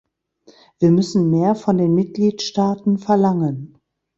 Wir müssen mehr von den Mitgliedstaaten verlangen.